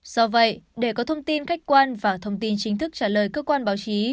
do vậy để có thông tin khách quan và thông tin chính thức trả lời cơ quan báo chí